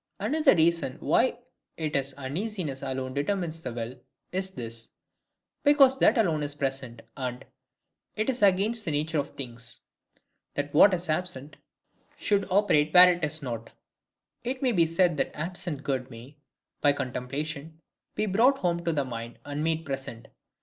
Another reason why it is uneasiness alone determines the will, is this: because that alone is present and, it is against the nature of things, that what is absent should operate where it is not. It may be said that absent good may, by contemplation, be brought home to the mind and made present.